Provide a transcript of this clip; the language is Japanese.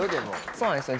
そうなんですよ。